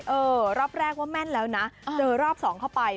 รอบแรกว่าแม่นแล้วนะเจอรอบสองเข้าไป